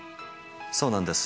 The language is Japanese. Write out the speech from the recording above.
そうなんです。